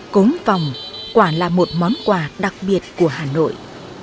cốm vòng quả là một món quà đặc biệt của hà nội